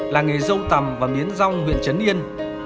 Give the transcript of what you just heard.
làng nghề dâu tầm và miến rong huyện trấn yên